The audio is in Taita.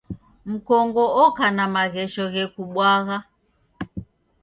Mkongo oka na maghesho ghekubwagha.